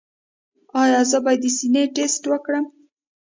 ایا زه باید د سینې ټسټ وکړم؟